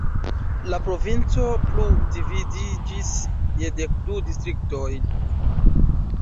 La provinco plu dividiĝis je dek du distriktoj.